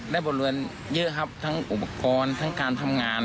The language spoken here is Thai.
ได้บทเรื่องเยอะครับทั้งอวกองจากการทำงาน